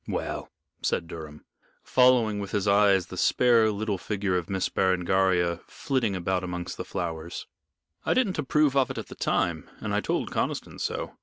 "Well," said Durham, following with his eyes the spare little figure of Miss Berengaria flitting about amongst the flowers, "I didn't approve of it at the time, and I told Conniston so.